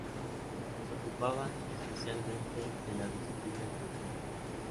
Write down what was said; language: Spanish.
Se ocupaban especialmente de la disciplina eclesiástica.